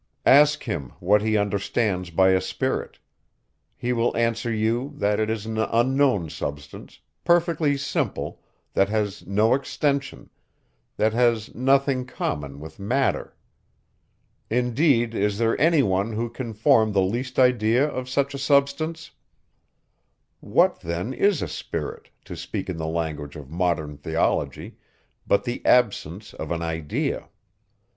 Ask him, what he understands by a spirit? He will answer you, that it is an unknown substance, perfectly simple, that has no extension, that has nothing common with matter. Indeed, is there any one, who can form the least idea of such a substance? What then is a spirit, to speak in the language of modern theology, but the absence of an idea?